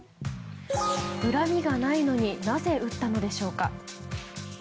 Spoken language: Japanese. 恨みがないのになぜ撃ったのでしょうか。